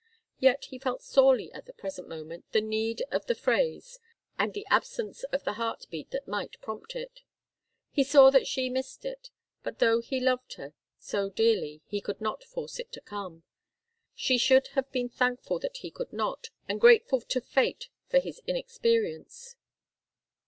Yet he felt sorely at the present moment the need of the phrase, and the absence of the heart beat that might prompt it. He saw that she missed it, but though he loved her so dearly he could not force it to come. She should have been thankful that he could not, and grateful to fate for his inexperience.